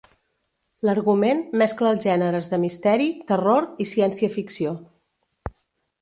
L'argument mescla els gèneres de misteri, terror i ciència ficció.